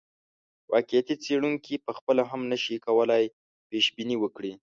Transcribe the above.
واقعي څېړونکی پخپله هم نه شي کولای پیشبیني وکړي.